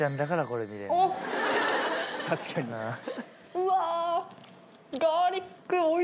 うわ。